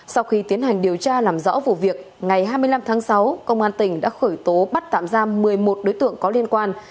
sau khi tiến hành điều tra làm rõ vụ việc ngày hai mươi năm tháng sáu công an tỉnh đã khởi tố bắt tạm giam một mươi một đối tượng có liên quan